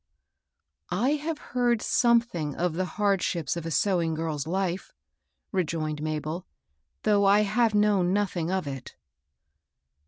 ^^ I have heard something of the hardships of a sewing girPs life," rejoined Mabel, "though I have known nothing of it."